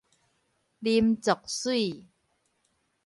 林濁水